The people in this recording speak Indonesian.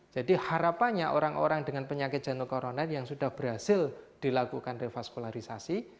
jadi harapannya orang orang dengan penyakit jantung koroner yang sudah berhasil dilakukan revaskularisasi